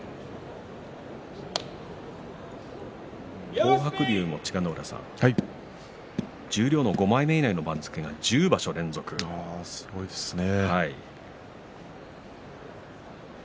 東白龍も千賀ノ浦さん、十両の５枚目以内１０場所連続なんですね。